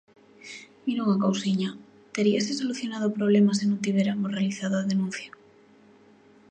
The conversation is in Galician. Mire unha cousiña: ¿teríase solucionado o problema se non tiveramos realizado a denuncia?